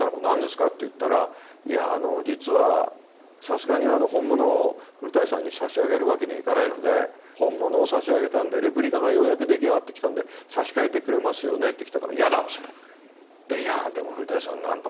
何ですか？」って言ったら「いやあの実はさすがにあの本物を古さんに差し上げるわけにはいかないので本物を差し上げたんでレプリカがようやく出来上がってきたんで差し替えてくれますよね」ってきたから「やだ！」っつったの。